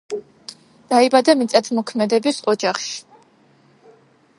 დაიბადა მიწათმოქმედების ოჯახში.